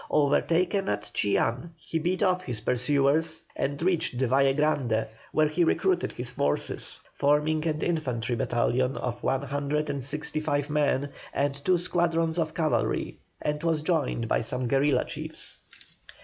Overtaken at Chillán, he beat off his pursuers, and reached the Valle Grande, where he recruited his forces, forming an infantry battalion of one hundred and sixty five men, and two squadrons of cavalry, and was joined by some guerilla chiefs.